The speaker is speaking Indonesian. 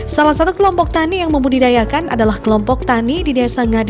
salah satu kelompok tani yang membudidayakan adalah kelompok tani di desa ngadi